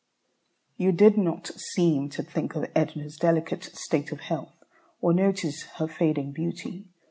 You did not seem to think of Edna's delicate state of health, or notice her fading beauty.